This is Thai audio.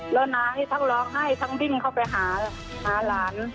แล้วน้านี่ทั้งร้องไห้ทั้งวิ่งเข้าไปหาหลาน